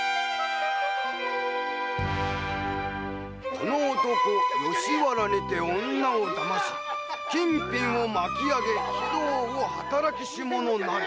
「この男吉原にて女を騙し金品を巻き上げ非道を働きし者なり」